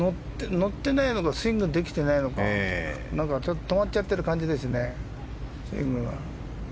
乗ってないのかスイングできていないのかなんか止まっちゃってる感じですね。